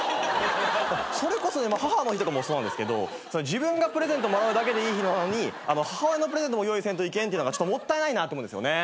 それこそ母の日とかもそうなんですけど自分がプレゼントもらうだけでいい日なのに母親のプレゼントも用意せんといけんっていうのがもったいないなと思うんですよね。